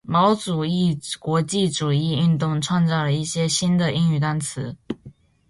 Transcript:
毛主义国际主义运动创作了一些新的英语单词。